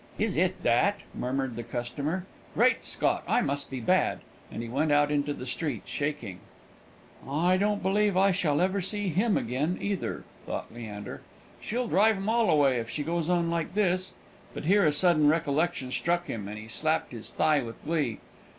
"Is it that?" murmured the customer. "Great Scott! I must be bad!" and he went out into the street, shaking. "I don't believe I shall ever see him again, either," thought Leander. "She'll drive 'em all away if she goes on like this." But here a sudden recollection struck him, and he slapped his thigh with glee.